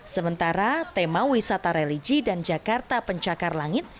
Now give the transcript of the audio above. sementara tema wisata religi dan jakarta pencakar langit